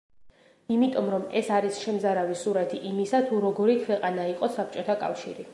იმიტომ რომ ეს არის შემზარავი სურათი იმისა, თუ როგორი ქვეყანა იყო საბჭოთა კავშირი.